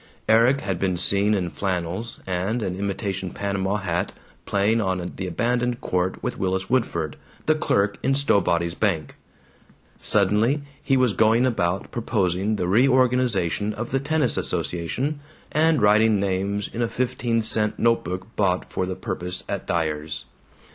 Erik had been seen in flannels and an imitation panama hat, playing on the abandoned court with Willis Woodford, the clerk in Stowbody's bank. Suddenly he was going about proposing the reorganization of the tennis association, and writing names in a fifteen cent note book bought for the purpose at Dyer's.